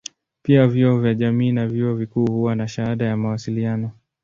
Pia vyuo vya jamii na vyuo vikuu huwa na shahada ya mawasiliano.